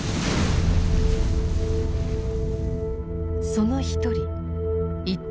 その一人一等